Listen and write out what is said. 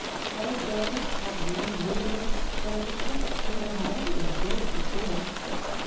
Her girls had more milliners' furniture than they had ever enjoyed before.